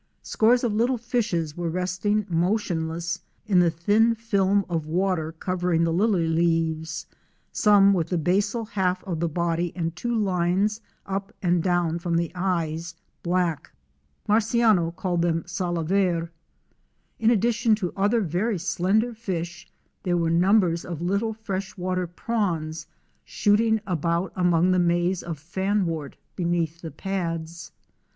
Scores of little fishes were resting motionless in the thin film of water covering the lily leaves, some with the basal half of the body and two lines up and down from the eyes, black. Marciano THROUGH THE COASTAL WILDERNESS. 223 called them Salaver. In addition to other very slender fish, there were numbers of little fresh water prawns shooting about among the maze of fanwort beneath the pads.